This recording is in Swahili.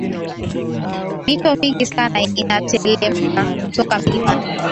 mito mingi sana inatelemka kutoka milimani